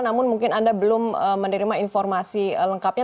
namun mungkin anda belum menerima informasi lengkapnya